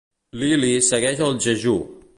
L'ili segueix el jejú.